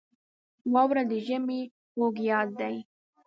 • واوره د ژمي خوږ یاد دی.